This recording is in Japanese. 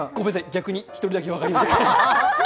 逆に１人だけ分かりません。